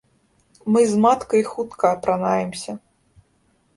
Мы з маткай хутка апранаемся.